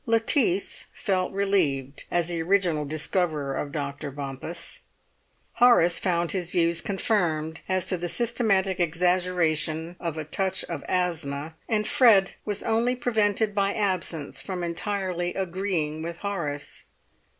Lettice felt relieved as the original discoverer of Dr. Bompas. Horace found his views confirmed as to the systematic exaggeration of a touch of asthma, and Fred was only prevented by absence from entirely agreeing with Horace.